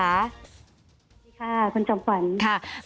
สวัสดีค่ะคุณจำขวัญ